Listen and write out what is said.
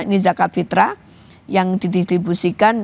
ini zakat fitrah yang didistribusikan